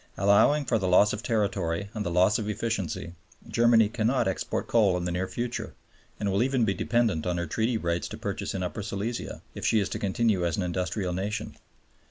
Allowing for the loss of territory and the loss of efficiency, Germany cannot export coal in the near future (and will even be dependent on her Treaty rights to purchase in Upper Silesia), if she is to continue as an industrial nation.